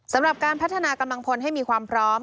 สำหรับการพัฒนากำลังพลให้มีความพร้อม